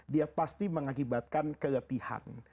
dia pasti mengakibatkan kelepihan